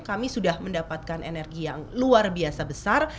kami sudah mendapatkan energi yang luar biasa besar